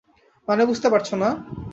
মানে বুঝতে পারছো না?